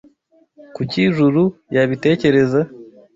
Kuki Juru yabitekereza?